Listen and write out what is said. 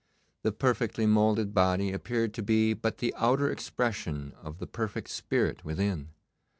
The perfectly moulded body appeared to be but the outer expression of the perfect spirit within.